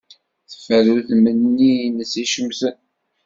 Teffer udem-nni-nnes icemten.